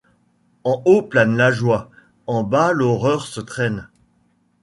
En haut plane la joie ; en bas l’horreur se traîne.